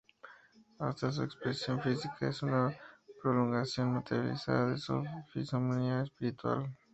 Hasta su expresión física es una prolongación materializada de su fisonomía espiritual.